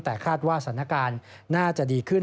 แต่คาดว่าสถานการณ์น่าจะดีขึ้น